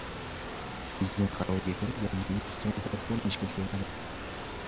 Prezident qaroriga ko‘ra yangi elektron platforma ishga tushiriladi